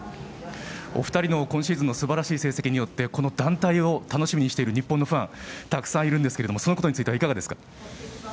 お二人の今シーズンのすばらしい成績によってこの団体を楽しみにしている日本のファンたくさんいるんですがそのことについてはいかがですか。